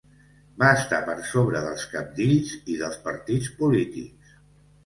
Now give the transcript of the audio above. Va estar per sobre dels cabdills i dels partits polítics.